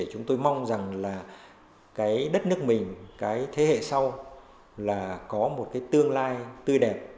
chúng tôi mong rằng là cái đất nước mình cái thế hệ sau là có một cái tương lai tươi đẹp